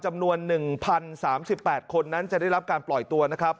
จำนวน๑๐๓๘คนนั้นจะได้รับการปล่อยตัวนะครับ